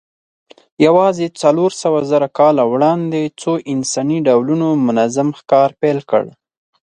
یواځې څلورسوهزره کاله وړاندې څو انساني ډولونو منظم ښکار پیل کړ.